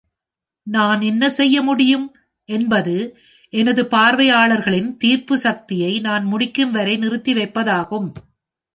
நான் என்ன செய்ய முடியும் என்பது எனது பார்வையாளர்களின் தீர்ப்பு சக்தியை நான் முடிக்கும் வரை நிறுத்தி வைப்பதாகும்.